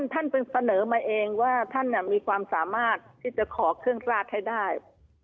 ท่านเสนอมาเองว่าท่านมีความสามารถที่จะขอเครื่องราชให้ได้